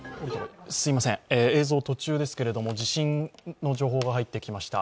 映像途中ですけれども、地震の情報が入ってきました。